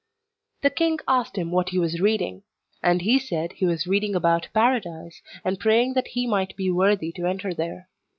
The king asked him what he was reading; and he said he was reading about Paradise, and praying that he might be worthy to enter there.